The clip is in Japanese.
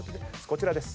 こちらです。